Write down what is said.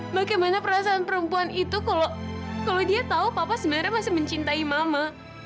bagaimana perasaan perempuan itu kalau dia tahu papa sebenarnya masih mencintai mama